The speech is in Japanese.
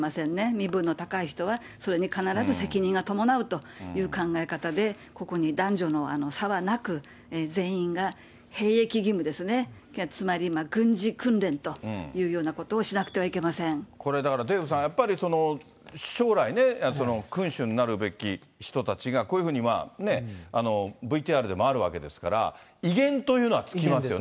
身分の高い人はそれに必ず責任が伴うという考え方で、ここに男女の差はなく、全員が兵役義務ですね、つまり軍事訓練というようなこれ、だからデーブさん、やっぱり将来ね、君主になるべき人たちがこういうふうに、ＶＴＲでもあるわけですから、威厳というのはつきますよね。